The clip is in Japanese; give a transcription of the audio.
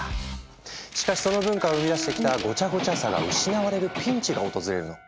しかしその文化を生み出してきたごちゃごちゃさが失われるピンチが訪れるの。